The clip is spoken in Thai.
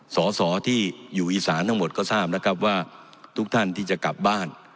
สอสอที่อยู่อีสานทั้งหมดก็ทราบนะครับว่าทุกท่านที่จะกลับบ้าน